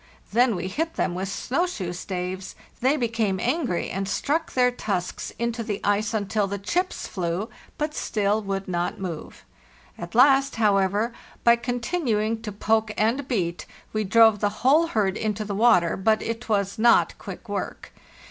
Then we hit them with snow shoe staves; they became angry, and struck their tusks into the ice until the chips flew, but still would not move. At last, however, by continuing to poke and beat, we drove the whole herd into the water, but it was not quick work.